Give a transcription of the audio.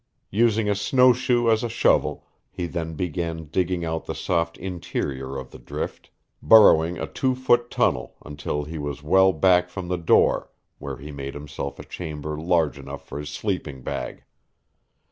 Using a snowshoe as a shovel he then began digging out the soft interior of the drift, burrowing a two foot tunnel until he was well back from the door, where he made himself a chamber large enough for his sleeping bag.